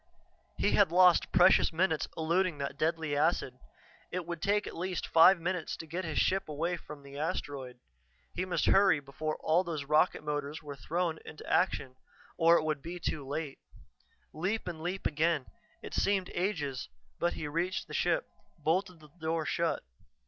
He had lost precious minutes eluding that deadly acid. It would take at least five minutes to get his ship away from the asteroid; he must hurry before all those rocket motors were thrown into action, or it would be too late. Leap and leap again. It seemed ages, but he reached the ship, bolted the door shut.